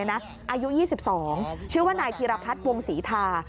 อายุ๒๒ชื่อว่านายธีรพัฒน์วงศรีทา